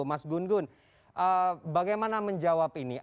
mas gun gun bagaimana menjawab ini